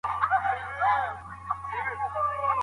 په لاس خط لیکل د تدریس د بریالیتوب تر ټولو ښکاره نښه ده.